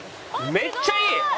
めっちゃいい！